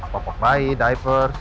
popok bayi diapers